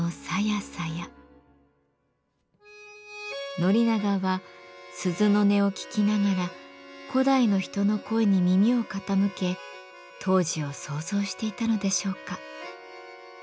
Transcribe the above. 宣長は鈴の音を聴きながら古代の人の声に耳を傾け当時を想像していたのでしょうか。